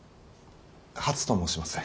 初と申します。